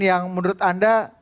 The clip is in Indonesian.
yang menurut anda